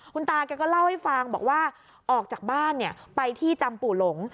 คุณตาแกก็เล่าให้ฟังบอกว่าออกจากบ้านไปที่จำปู่หลง